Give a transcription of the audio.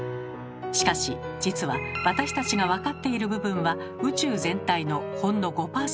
しかし実は私たちが分かっている部分は宇宙全体のほんの５％くらい。